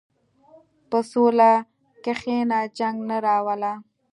په سوله کښېنه، جنګ نه راوله.